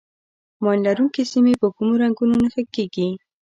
ماین لرونکي سیمې په کومو رنګونو نښه کېږي.